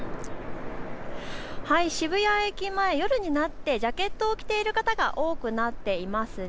渋谷駅前、夜になってジャケットを着ている方が多くなっています。